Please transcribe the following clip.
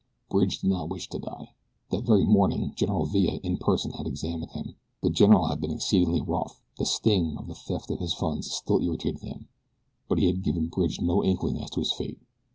Bridge did not wish to die. That very morning General Villa in person had examined him. The general had been exceedingly wroth the sting of the theft of his funds still irritated him; but he had given Bridge no inkling as to his fate.